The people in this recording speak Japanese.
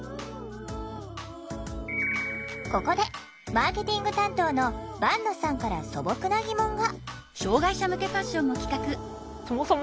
ここでマーケティング担当の坂野さんから素朴な疑問が。